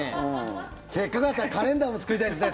せっかくだったらカレンダーも作りたいですね。